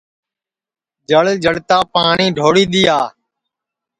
جݪ جݪتا پاٹؔی ڈھولی دؔیا